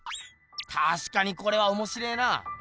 たしかにこれはおもしれえな。